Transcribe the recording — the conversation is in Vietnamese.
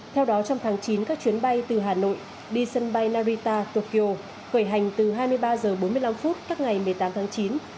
theo đó trong tháng chín các chuyến bay từ hà nội đi sân bay narita tokyo khởi hành từ hai mươi ba h bốn mươi năm các ngày một mươi tám tháng chín